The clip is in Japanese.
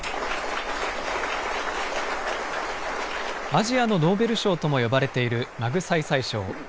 アジアのノーベル賞とも呼ばれているマグサイサイ賞。